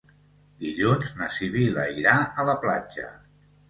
Dilluns na Sibil·la irà a la platja.